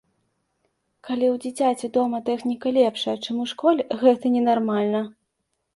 Калі ў дзіцяці дома тэхніка лепшая, чым у школе, гэта ненармальна!